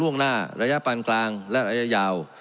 ่งหน้าระยะปานกลางและระยะยาว